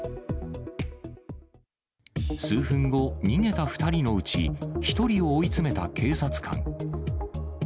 数分後、逃げた２人のうち１人を追い詰めた警察官。